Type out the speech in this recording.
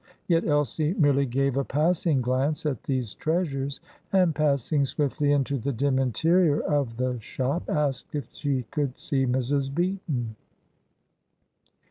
Yet Elsie merely gave a passing glance at these treasures, and, passing swiftly into the dim interior of the shop, asked if she could see Mrs. Beaton.